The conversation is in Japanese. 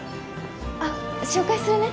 あっ紹介するね